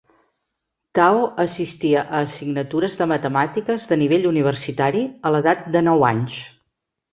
Tao assistia a assignatures de matemàtiques de nivell universitari a l'edat de nou anys.